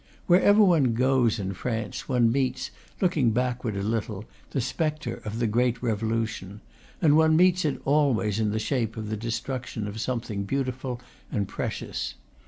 Wherever one goes, in France, one meets, looking backward a little, the spectre of the great Revolution; and one meets it always in the shape of the destruction of something beautiful and precious.